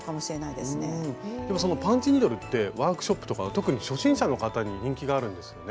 でもそのパンチニードルってワークショップとか特に初心者の方に人気があるんですよね？